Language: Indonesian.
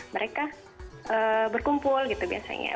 mereka berkumpul gitu biasanya